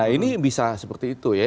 ini bisa seperti itu ya